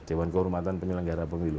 dewan kehormatan penyelenggara pemilu